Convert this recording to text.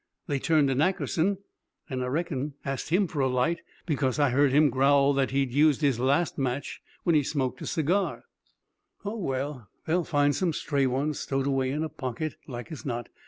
They turned to Nackerson, and I reckon asked him for a light, because I heard him growl that he'd used his last match when he smoked a cigar." "Oh, well, they'll find some stray ones stowed away in a pocket, like as not!"